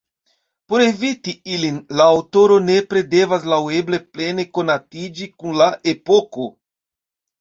Por eviti ilin, la aŭtoro nepre devas laŭeble plene konatiĝi kun la epoko.